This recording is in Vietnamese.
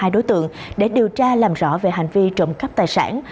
hai đối tượng để điều tra làm rõ về hành vi trộm cắp tài sản